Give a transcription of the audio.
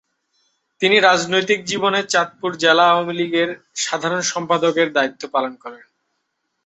তিনি রাজনৈতিক জীবনে চাঁদপুর জেলা আওয়ামী লীগের সাধারণ সম্পাদকের দায়িত্ব পালন করেন।